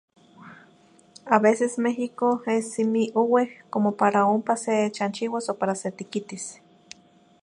A veces México es simi oueh como para ompa sechanchiuas o para setiquitis.